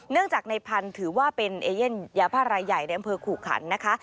จากในพันธุ์ถือว่าเป็นเอเย่นยาบ้ารายใหญ่ในอำเภอขู่ขันนะคะ